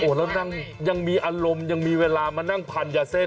แล้วนั่งยังมีอารมณ์ยังมีเวลามานั่งพันยาเส้น